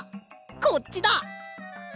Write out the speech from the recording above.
こっちだ！